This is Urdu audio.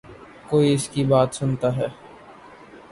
کوئی اس کی بات سنتا ہے۔